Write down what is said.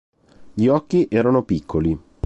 Gli occhi erano piccoli.